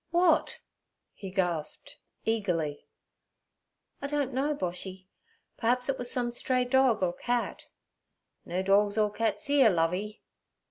'W'at?' he gasped, eagerly. 'I don't know, Boshy; perhaps it was some stray dog or cat.' 'No dorgs or cats 'ere, Lovey.'